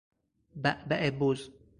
بعبع بز